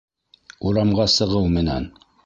Урамға сығыу менән.